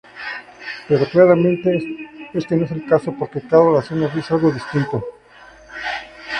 Pero claramente este no es el caso, porque cada oración nos dice algo "distinto".